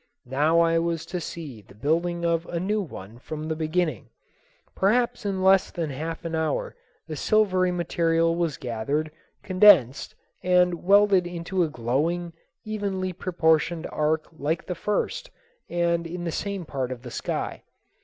Now I was to see the building of a new one from the beginning. Perhaps in less than half an hour the silvery material was gathered, condensed, and welded into a glowing, evenly proportioned arc like the first and in the same part of the sky.